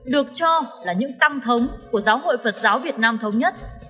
được cho là những tăng thống của giáo hội phật giáo việt nam thống nhất